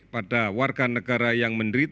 pada warga negara yang menderita